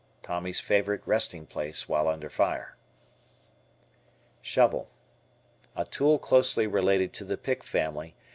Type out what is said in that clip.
Tommy's favorite resting place while under fire. Shovel. A tool closely related to the pick family.